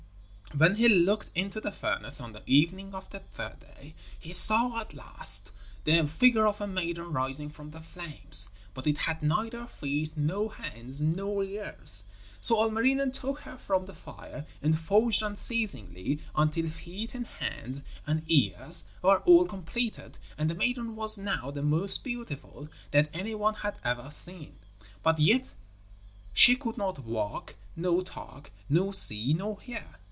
When he looked into the furnace on the evening of the third day, he saw at last the figure of a maiden rising from the flames, but it had neither feet nor hands nor ears. So Ilmarinen took her from the fire and forged unceasingly until feet and hands and ears were all completed, and the maiden was now the most beautiful that any one had ever seen, but yet she could not walk, nor talk, nor see, nor hear.